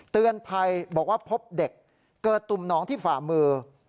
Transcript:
เตือนภัยบอกว่าพบเด็กเกิดตุ่มน้องที่ฝ่ามือ